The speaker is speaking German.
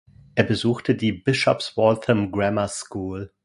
Er besuchte die Bishop's Waltham Grammar School.